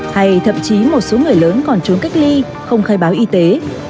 hay thậm chí một số người lớn còn trốn cách ly không khai báo y tế